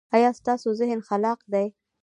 ایا ستاسو ذهن خلاق دی؟